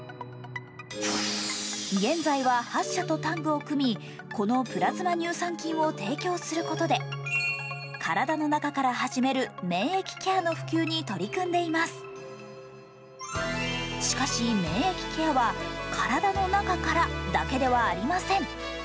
現在は８社とタッグを組み、このプラズマ乳酸菌を提供することで、体の中から始めるしかし免疫ケアは体の中からだけではありません。